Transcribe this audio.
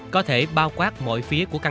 có thể bao quát mọi phía của khách